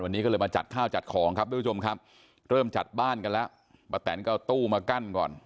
วันนี้ก็เลยมาจัดข้าวจัดของครับทุกผู้ชมครับเริ่มจัดบ้านกันแล้วป้าแตนก็เอาตู้มากั้นก่อน